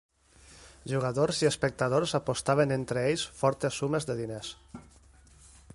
Jugadors i espectadors apostaven entre ells fortes sumes de diners.